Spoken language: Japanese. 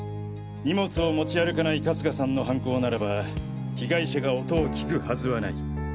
荷物を持ち歩かない春日さんの犯行ならば被害者が音を聞くはずはない。